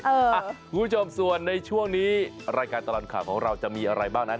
คุณผู้ชมส่วนในช่วงนี้รายการตลอดข่าวของเราจะมีอะไรบ้างนั้น